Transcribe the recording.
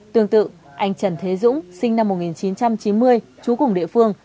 tương tự anh trần thế dũng sinh năm một nghìn chín trăm chín mươi trú cùng địa phương